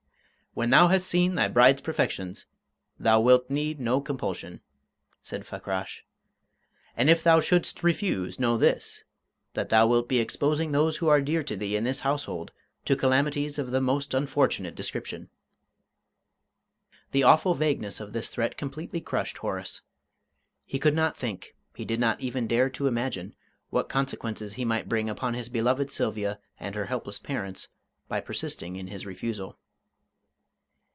"When thou hast seen thy bride's perfections thou wilt need no compulsion," said Fakrash. "And if thou shouldst refuse, know this: that thou wilt be exposing those who are dear to thee in this household to calamities of the most unfortunate description." The awful vagueness of this threat completely crushed Horace; he could not think, he did not even dare to imagine, what consequences he might bring upon his beloved Sylvia and her helpless parents by persisting in his refusal.